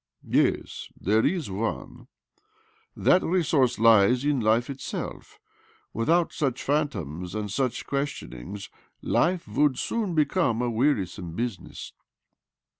"Yes, there is one. That resource lies in life itself. Without such phantoms and such questionings life would soon become a wearisome business."